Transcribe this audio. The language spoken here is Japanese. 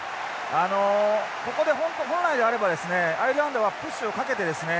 あのここで本来であればアイルランドはプッシュをかけてですね